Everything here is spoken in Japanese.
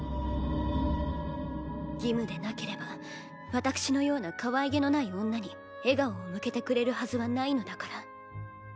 義務でなければ私のようなかわいげのない女に笑顔を向けてくれるはずはないのだから。